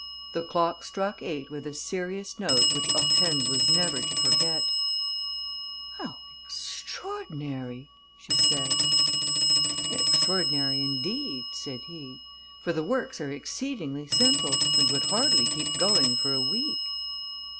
The clock struck eight with a serious note which Hortense was never to forget. "How extraordinary!" she said. "Extraordinary indeed," said he, "for the works are exceedingly simple and would hardly keep going for a week."